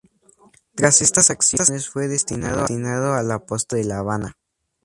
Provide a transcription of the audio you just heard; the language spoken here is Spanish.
Tras estas acciones fue destinado al apostadero de La Habana.